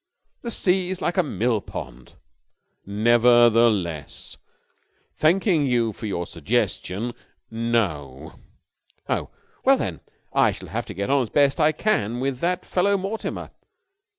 The sea's like a mill pond." "Nevertheless, thanking you for your suggestion, no!" "Oh, well, then I shall have to get on as best I can with that fellow Mortimer.